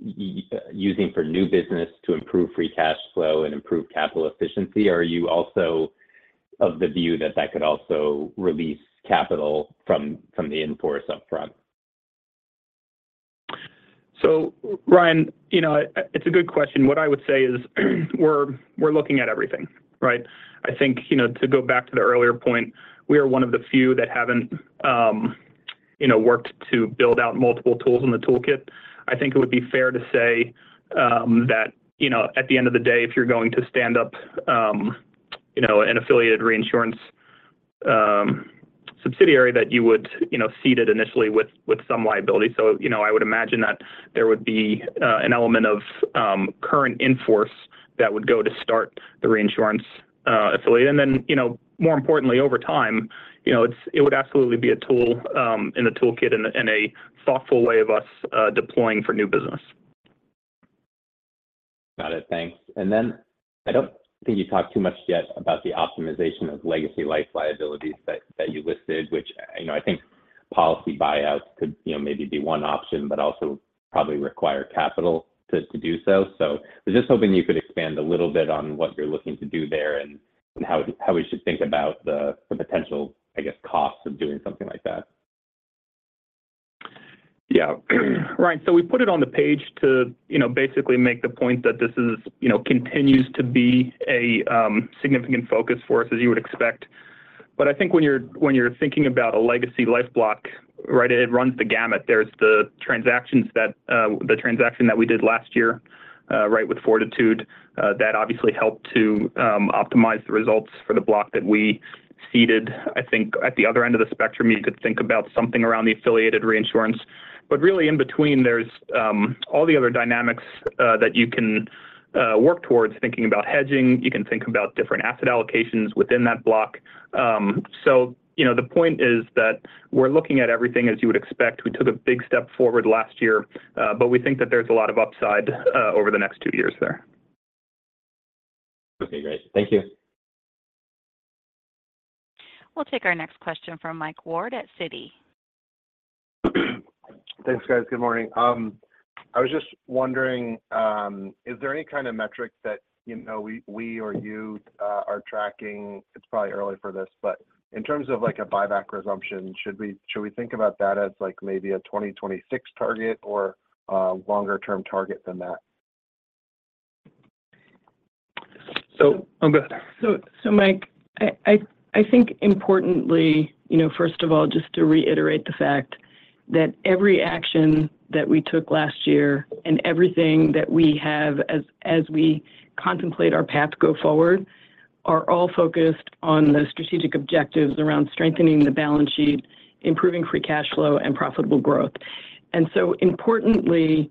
using for new business to improve free cash flow and improve capital efficiency? Or are you also of the view that that could also release capital from the in-force up front? So Ryan, you know, it's a good question. What I would say is, we're looking at everything, right? I think, you know, to go back to the earlier point, we are one of the few that haven't, you know, worked to build out multiple tools in the toolkit. I think it would be fair to say, that, you know, at the end of the day, if you're going to stand up, you know, an affiliated reinsurance subsidiary, that you would, you know, seed it initially with, with some liability. So, you know, I would imagine that there would be, an element of, current in-force that would go to start the reinsurance, affiliate. Then, you know, more importantly, over time, you know, it would absolutely be a tool in the toolkit and a thoughtful way of us deploying for new business. Got it. Thanks. And then I don't think you talked too much yet about the optimization of legacy life liabilities that you listed, which, you know, I think policy buyouts could, you know, maybe be one option, but also probably require capital to do so. So I was just hoping you could expand a little bit on what you're looking to do there and how we should think about the potential, I guess, costs of doing something like that. Yeah. Ryan, so we put it on the page to, you know, basically make the point that this is- you know, continues to be a significant focus for us, as you would expect. But I think when you're, when you're thinking about a legacy life block, right, it runs the gamut. There's the transactions that, the transaction that we did last year, right, with Fortitude, that obviously helped to optimize the results for the block that we ceded. I think at the other end of the spectrum, you could think about something around the affiliated reinsurance, but really in between, there's all the other dynamics that you can work towards thinking about hedging. You can think about different asset allocations within that block. So you know, the point is that we're looking at everything, as you would expect. We took a big step forward last year, but we think that there's a lot of upside over the next two years there. Okay, great. Thank you. We'll take our next question from Mike Ward at Citi. Thanks, guys. Good morning. I was just wondering, is there any kind of metric that, you know, we or you, are tracking? It's probably early for this, but in terms of, like, a buyback resumption, should we think about that as, like, maybe a 2026 target or a longer-term target than that? So... Oh, go ahead. So, Mike, I think importantly, you know, first of all, just to reiterate the fact that every action that we took last year and everything that we have as we contemplate our path go forward, are all focused on the strategic objectives around strengthening the balance sheet, improving free cash flow, and profitable growth. And so importantly,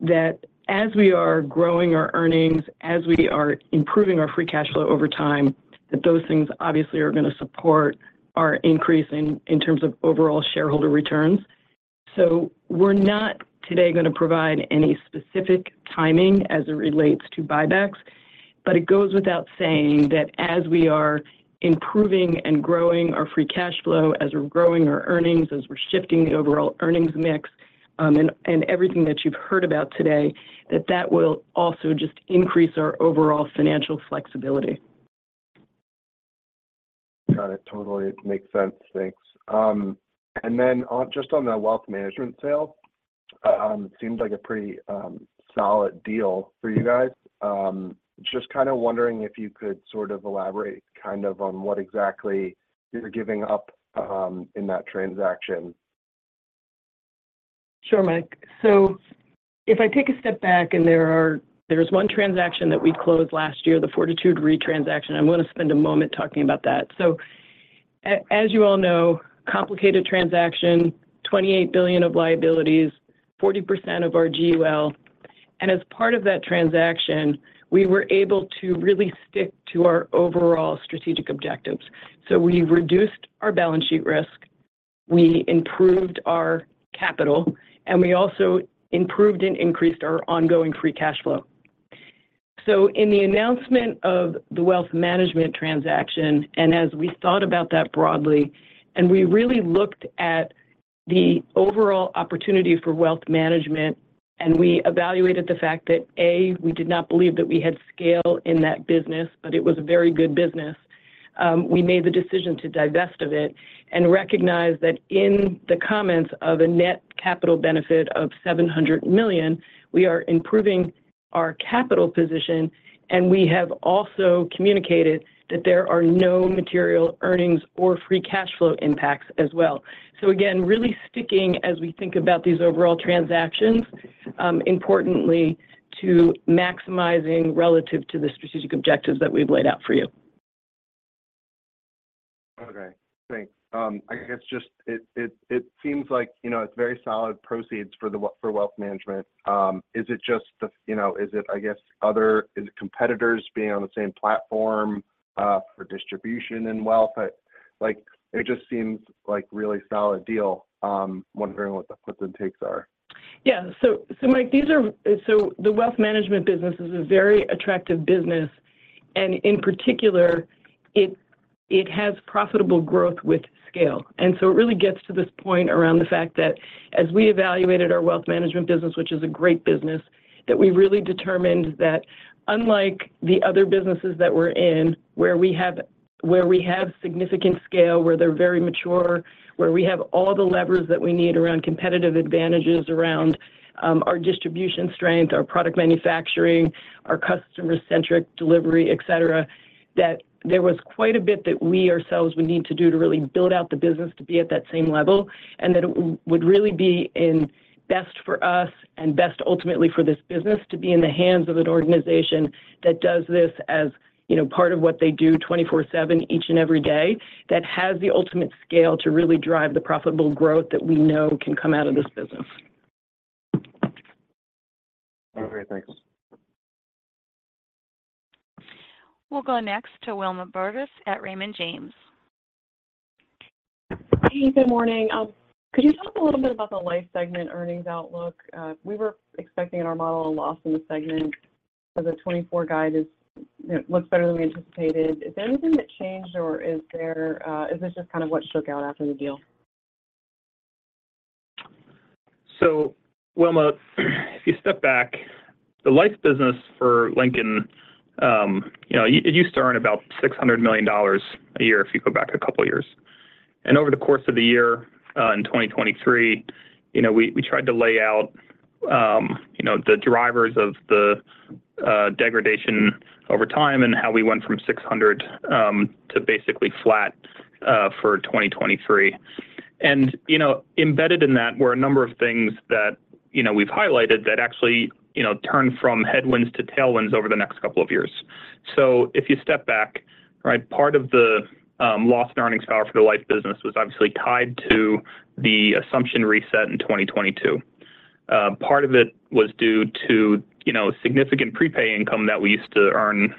that as we are growing our earnings, as we are improving our free cash flow over time, that those things obviously are going to support our increase in terms of overall shareholder returns. So we're not today going to provide any specific timing as it relates to buybacks, but it goes without saying that as we are improving and growing our free cash flow, as we're growing our earnings, as we're shifting the overall earnings mix, and everything that you've heard about today, that that will also just increase our overall financial flexibility. Got it. Totally, it makes sense. Thanks. And then on, just on the wealth management sale, seems like a pretty, solid deal for you guys. Just kind of wondering if you could sort of elaborate kind of on what exactly you're giving up, in that transaction. Sure, Mike. So if I take a step back, and there's one transaction that we closed last year, the Fortitude Re transaction. I want to spend a moment talking about that. So as you all know, complicated transaction, $28 billion of liabilities, 40% of our GUL. And as part of that transaction, we were able to really stick to our overall strategic objectives. So we reduced our balance sheet risk, we improved our capital, and we also improved and increased our ongoing free cash flow. So in the announcement of the wealth management transaction, and as we thought about that broadly, and we really looked at the overall opportunity for wealth management, and we evaluated the fact that, A, we did not believe that we had scale in that business, but it was a very good business, we made the decision to divest of it and recognize that in the comments of a net capital benefit of $700 million, we are improving our capital position, and we have also communicated that there are no material earnings or free cash flow impacts as well. So again, really sticking as we think about these overall transactions, importantly, to maximizing relative to the strategic objectives that we've laid out for you. Okay, thanks. I guess it seems like, you know, it's very solid proceeds for the wealth management. Is it just? You know, is it, I guess, competitors being on the same platform for distribution and wealth? Like, it just seems like really solid deal. Wondering what the puts and takes are? Yeah, so Mike, the wealth management business is a very attractive business, and in particular, it has profitable growth with scale. And so it really gets to this point around the fact that as we evaluated our wealth management business, which is a great business, that we really determined that unlike the other businesses that we're in, where we have significant scale, where they're very mature, where we have all the levers that we need around competitive advantages, around our distribution strength, our product manufacturing, our customer-centric delivery, et cetera, that there was quite a bit that we ourselves would need to do to really build out the business to be at that same level. That it would really be in best for us and best ultimately for this business to be in the hands of an organization that does this as, you know, part of what they do 24/7, each and every day, that has the ultimate scale to really drive the profitable growth that we know can come out of this business. Okay, thanks. We'll go next to Wilma Burdis at Raymond James. Hey, good morning. Could you talk a little bit about the life segment earnings outlook? We were expecting in our model a loss in the segment, but the 2024 guide is, you know, looks better than we anticipated. Is there anything that changed, or is this just kind of what shook out after the deal? So Wilma, if you step back, the life business for Lincoln, you know, it used to earn about $600 million a year if you go back a couple of years. Over the course of the year, in 2023, you know, we tried to lay out, you know, the drivers of the degradation over time and how we went from $600 million to basically flat for 2023. You know, embedded in that were a number of things that, you know, we've highlighted that actually, you know, turn from headwinds to tailwinds over the next couple of years. So if you step back, right, part of the loss in earnings power for the life business was obviously tied to the assumption reset in 2022. Part of it was due to, you know, significant prepay income that we used to earn,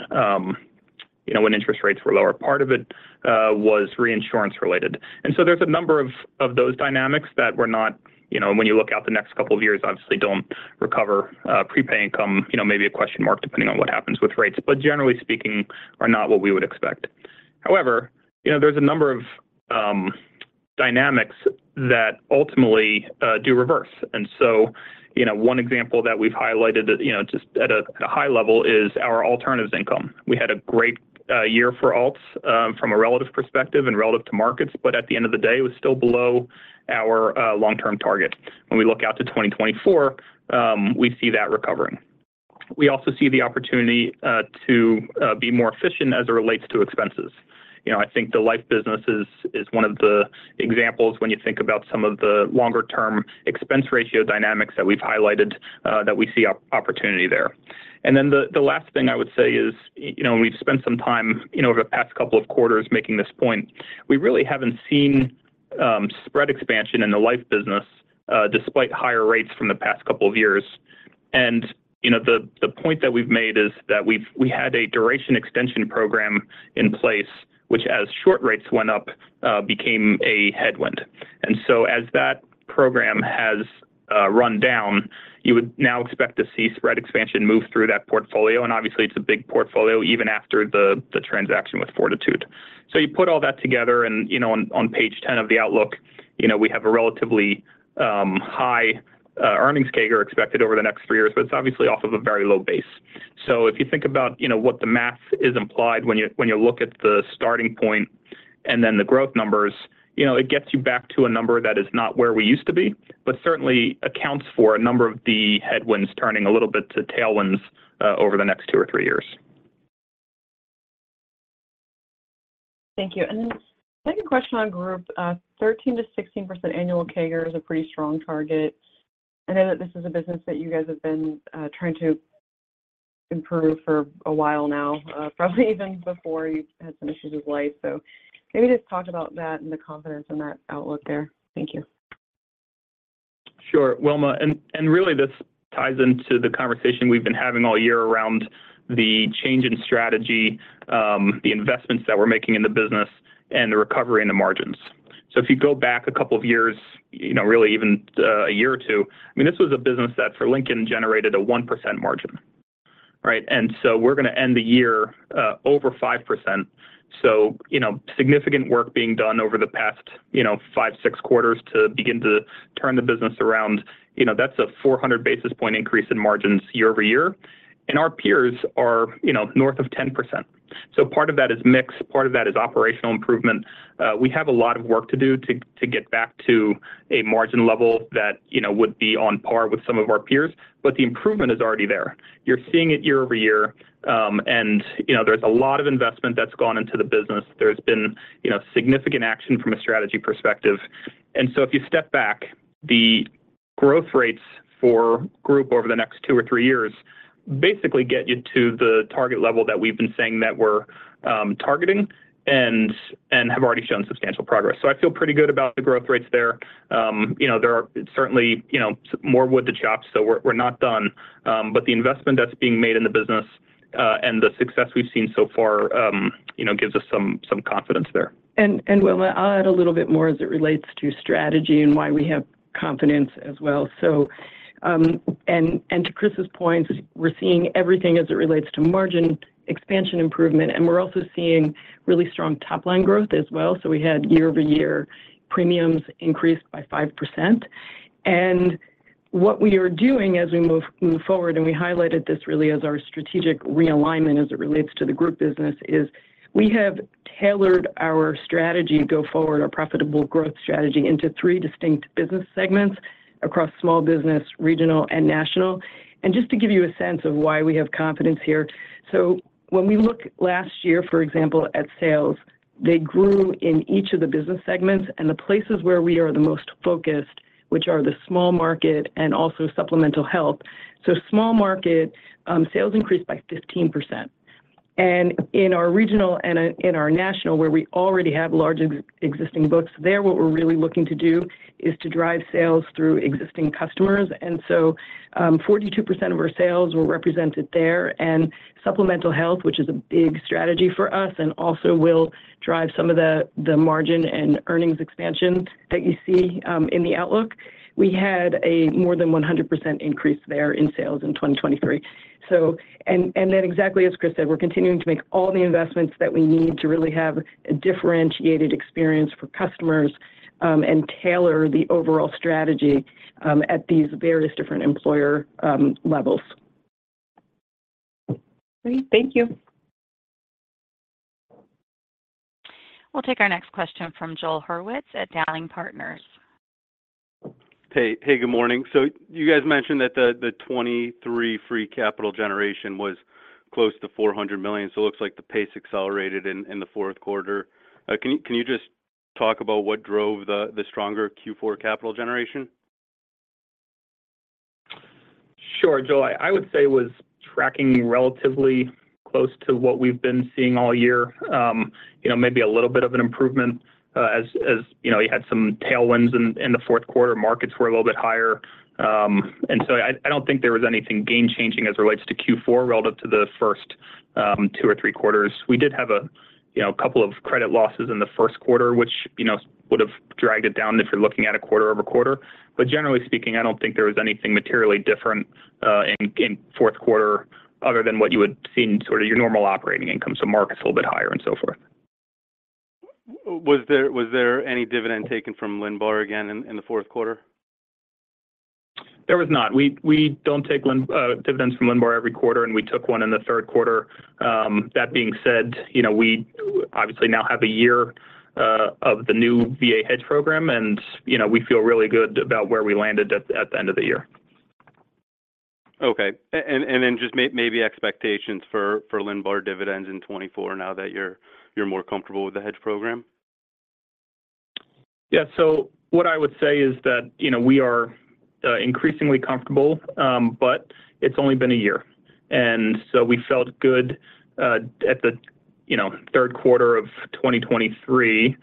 you know, when interest rates were lower. Part of it was reinsurance related. And so there's a number of those dynamics that were not, you know, when you look out the next couple of years, obviously don't recover, prepay income, you know, maybe a question mark, depending on what happens with rates, but generally speaking, are not what we would expect. However, you know, there's a number of dynamics that ultimately do reverse. And so, you know, one example that we've highlighted that, you know, just at a high level is our alternatives income. We had a great year for alts from a relative perspective and relative to markets, but at the end of the day, it was still below our long-term target. When we look out to 2024, we see that recovering. We also see the opportunity to be more efficient as it relates to expenses. You know, I think the life business is one of the examples when you think about some of the longer term expense ratio dynamics that we've highlighted that we see opportunity there. And then the last thing I would say is, you know, we've spent some time, you know, over the past couple of quarters making this point. We really haven't seen spread expansion in the life business despite higher rates from the past couple of years. You know, the point that we've made is that we had a duration extension program in place, which as short rates went up became a headwind. And so as that program has run down, you would now expect to see spread expansion move through that portfolio, and obviously, it's a big portfolio, even after the transaction with Fortitude. So you put all that together and, you know, on page 10 of the outlook, you know, we have a relatively high earnings CAGR expected over the next three years, but it's obviously off of a very low base. So if you think about, you know, what the math is implied when you, when you look at the starting point and then the growth numbers, you know, it gets you back to a number that is not where we used to be, but certainly accounts for a number of the headwinds turning a little bit to tailwinds over the next two or three years. Thank you. And then second question on group, 13%-16% annual CAGR is a pretty strong target. I know that this is a business that you guys have been trying to improve for a while now, probably even before you had some issues with life. So maybe just talk about that and the confidence in that outlook there. Thank you. Sure, Wilma. And really, this ties into the conversation we've been having all year around the change in strategy, the investments that we're making in the business, and the recovery in the margins. So if you go back a couple of years, you know, really even a year or two, I mean, this was a business that for Lincoln, generated a 1% margin, right? And so we're going to end the year over 5%. So, you know, significant work being done over the past, you know, five, six quarters to begin to turn the business around. You know, that's a 400 basis point increase in margins year-over-year, and our peers are, you know, north of 10%. So part of that is mix, part of that is operational improvement. We have a lot of work to do to get back to a margin level that, you know, would be on par with some of our peers, but the improvement is already there. You're seeing it year-over-year, and, you know, there's a lot of investment that's gone into the business. There's been, you know, significant action from a strategy perspective. And so if you step back, the growth rates for group over the next two or three years basically get you to the target level that we've been saying that we're targeting and have already shown substantial progress. So I feel pretty good about the growth rates there. You know, there are certainly, you know, more wood to chop, so we're not done. But the investment that's being made in the business-... and the success we've seen so far, you know, gives us some confidence there. Well, I'll add a little bit more as it relates to strategy and why we have confidence as well. So, to Chris's point, we're seeing everything as it relates to margin expansion improvement, and we're also seeing really strong top line growth as well. We had year-over-year premiums increased by 5%. What we are doing as we move forward, and we highlighted this really as our strategic realignment as it relates to the group business, is we have tailored our strategy to go forward, our profitable growth strategy, into three distinct business segments across small business, regional, and national. Just to give you a sense of why we have confidence here, so when we look last year, for example, at sales, they grew in each of the business segments and the places where we are the most focused, which are the small market and also supplemental health. So small market sales increased by 15%. And in our regional and in our national, where we already have large existing books there, what we're really looking to do is to drive sales through existing customers. And so, 42% of our sales were represented there. And supplemental health, which is a big strategy for us and also will drive some of the margin and earnings expansion that you see in the outlook, we had a more than 100% increase there in sales in 2023. Then exactly as Chris said, we're continuing to make all the investments that we need to really have a differentiated experience for customers, and tailor the overall strategy at these various different employer levels. Great, thank you. We'll take our next question from Joel Hurwitz at Dowling & Partners. Hey, hey, good morning. So you guys mentioned that the 2023 free capital generation was close to $400 million, so it looks like the pace accelerated in the fourth quarter. Can you just talk about what drove the stronger Q4 capital generation? Sure, Joel. I would say it was tracking relatively close to what we've been seeing all year. You know, maybe a little bit of an improvement, as you know, you had some tailwinds in the fourth quarter. Markets were a little bit higher. And so I don't think there was anything game changing as it relates to Q4 relative to the first two or three quarters. We did have a couple of credit losses in the first quarter, which would have dragged it down if you're looking at a quarter-over-quarter. But generally speaking, I don't think there was anything materially different in fourth quarter other than what you would see in sort of your normal operating income, so markets a little bit higher and so forth. Was there any dividend taken from LNBAR again in the fourth quarter? There was not. We don't take dividends from LNBAR every quarter, and we took one in the third quarter. That being said, you know, we obviously now have a year of the new VA hedge program, and, you know, we feel really good about where we landed at the end of the year. Okay. And then just maybe expectations for LNBAR dividends in 2024, now that you're more comfortable with the hedge program. Yeah. So what I would say is that, you know, we are increasingly comfortable, but it's only been a year. And so we felt good at the, you know, third quarter of 2023,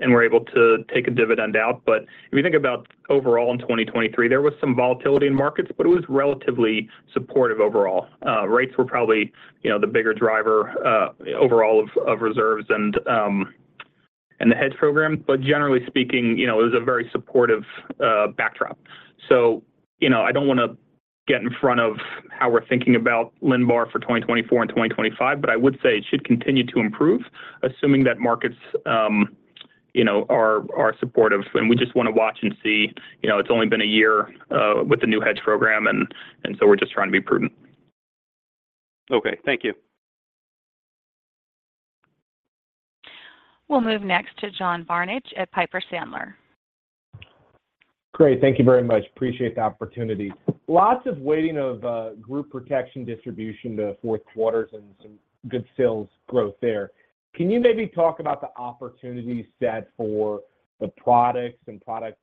and were able to take a dividend out. But if you think about overall in 2023, there was some volatility in markets, but it was relatively supportive overall. Rates were probably, you know, the bigger driver overall of reserves and the hedge program. But generally speaking, you know, it was a very supportive backdrop. So, you know, I don't want to get in front of how we're thinking about LNBAR for 2024 and 2025, but I would say it should continue to improve, assuming that markets, you know, are supportive. And we just want to watch and see. You know, it's only been a year with the new hedge program and so we're just trying to be prudent. Okay, thank you. We'll move next to John Barnidge at Piper Sandler. Great. Thank you very much. Appreciate the opportunity. Lots of waiting of, group protection distribution to fourth quarters and some good sales growth there. Can you maybe talk about the opportunity set for the products and product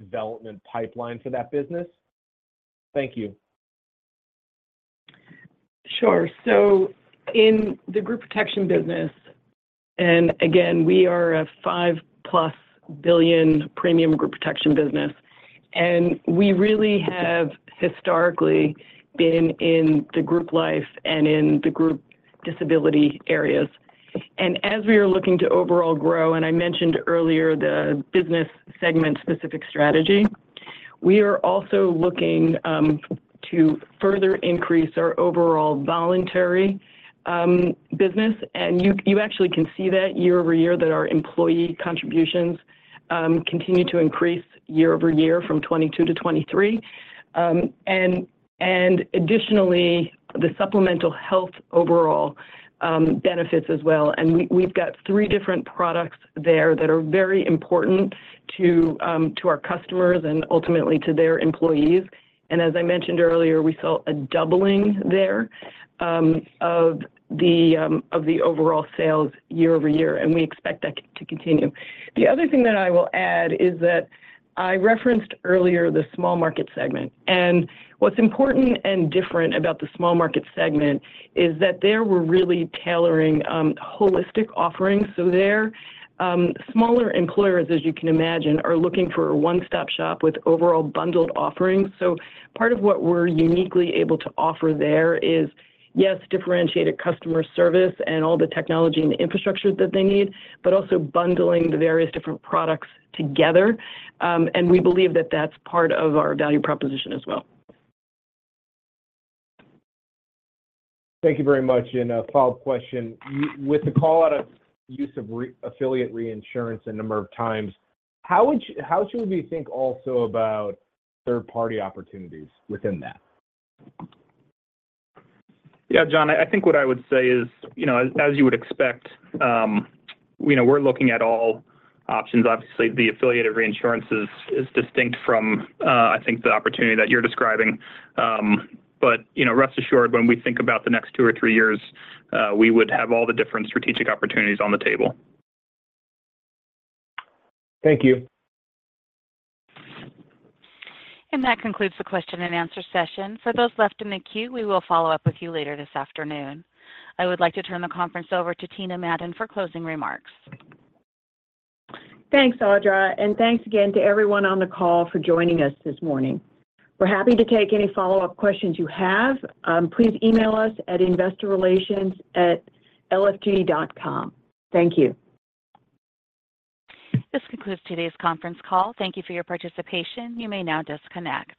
development pipeline for that business? Thank you. Sure. So in the group protection business, and again, we are a +$5 billion premium group protection business, and we really have historically been in the group life and in the group disability areas. And as we are looking to overall grow, and I mentioned earlier the business segment specific strategy, we are also looking, to further increase our overall voluntary, business. And you, you actually can see that year over year, that our employee contributions, continue to increase year over year from 2022 to 2023. And, and additionally, the supplemental health overall, benefits as well. We've got three different products there that are very important to our customers and ultimately to their employees. As I mentioned earlier, we saw a doubling there of the overall sales year over year, and we expect that to continue. The other thing that I will add is that I referenced earlier the small market segment. What's important and different about the small market segment is that there we're really tailoring holistic offerings. They're smaller employers, as you can imagine, are looking for a one-stop shop with overall bundled offerings. Part of what we're uniquely able to offer there is, yes, differentiated customer service and all the technology and the infrastructure that they need, but also bundling the various different products together. We believe that that's part of our value proposition as well. Thank you very much. And a follow-up question: With the call out of use of affiliate reinsurance a number of times, how should we think also about third-party opportunities within that? Yeah, John, I think what I would say is, you know, as you would expect, you know, we're looking at all options. Obviously, the affiliated reinsurance is distinct from, I think the opportunity that you're describing. But, you know, rest assured, when we think about the next two or three years, we would have all the different strategic opportunities on the table. Thank you. That concludes the question and answer session. For those left in the queue, we will follow up with you later this afternoon. I would like to turn the conference over to Tina Madon for closing remarks. Thanks, Audra, and thanks again to everyone on the call for joining us this morning. We're happy to take any follow-up questions you have. Please email us at investorrelations@lfg.com. Thank you. This concludes today's conference call. Thank you for your participation. You may now disconnect.